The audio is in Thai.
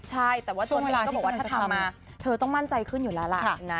ใช่แต่ว่าทวนเวลาก็บอกว่าถ้าทำมาเธอต้องมั่นใจขึ้นอยู่แล้วล่ะ